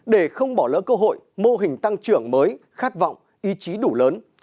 để không bỏ lỡ cơ hội mô hình tăng trưởng mới khát vọng ý chí đủ lớn